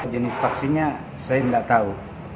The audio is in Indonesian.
jenis vaksinnya saya tidak tahu